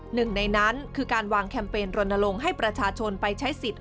หนึ่งในนั้นคือการวางแคมเปญรณลงให้ประชาชนไปใช้สิทธิ์